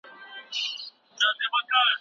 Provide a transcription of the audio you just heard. د لويي جرګې له پاره ځانګړې خېمه ولي جوړه سوه؟